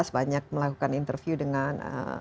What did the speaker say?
banyak melakukan interview dengan